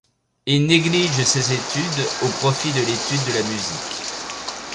Il néglige ses études au profit de l'étude de la musique.